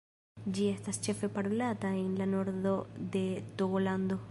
Ĝi estas ĉefe parolata en la nordo de Togolando.